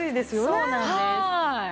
そうなんです。